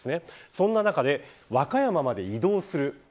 そんな中で和歌山まで移動する。